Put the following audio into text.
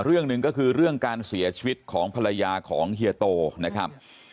เรื่องหนึ่งก็คือเรื่องการเสียชีวิตของภรรยาของเฮียโตนะครับ